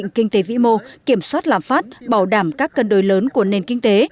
tăng trưởng gắn với ổn định kinh tế vĩ mô kiểm soát làm phát bảo đảm các cân đối lớn của nền kinh tế